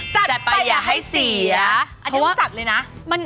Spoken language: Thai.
จัดไปอย่าให้เสียอันนี้จัดเลยนะ